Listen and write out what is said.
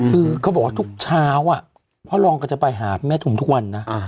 คือเขาบอกว่าทุกเช้าพ่อรองก็จะไปหาแม่ถุมทุกวันนะ